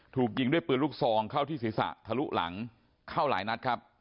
ถูกยิงด้วยปืนลูกซองเข้าที่ศีรษะทะลุหลังเข้าหลายนัดครับ